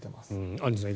アンジュさん